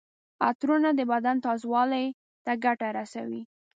عطرونه د بدن تازه والي ته ګټه رسوي.